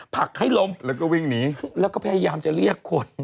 ผลักให้ล้มแล้วก็วิ่งหนีแล้วก็พยายามจะเรียกคน